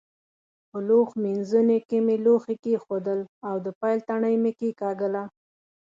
په لوښ مینځوني کې مې لوښي کېښودل او د پیل تڼۍ مې کېکاږله.